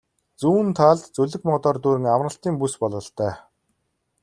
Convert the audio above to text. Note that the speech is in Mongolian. Зүүн талд зүлэг модоор дүүрэн амралтын бүс бололтой.